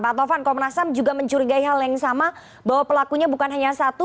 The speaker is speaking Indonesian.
pak tovan komnas ham juga mencurigai hal yang sama bahwa pelakunya bukan hanya satu